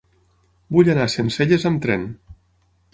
Vull anar a Sencelles amb tren.